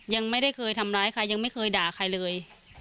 ยังไม่ได้เคยทำร้ายใครยังไม่เคยด่าใครเลย